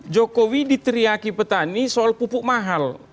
jokowi diteriaki petani soal pupuk mahal